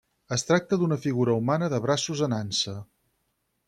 Es tracta d'una figura humana de braços en ansa.